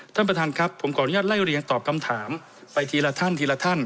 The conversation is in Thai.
ท่านประธานครับผมขออนุญาตไล่เรียงตอบคำถามไปทีละท่านทีละท่าน